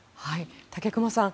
武隈さん